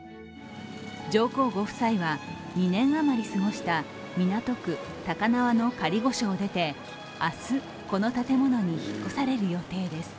上皇ご夫妻は、２年余り過ごした港区高輪の仮御所を出て、明日、この建物に引っ越される予定です。